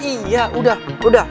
iya udah udah